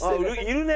いるね